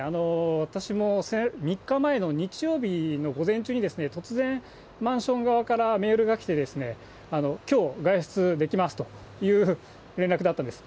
私も３日前の日曜日の午前中に、突然マンション側からメールが来てですね、きょう、外出できますという連絡だったんです。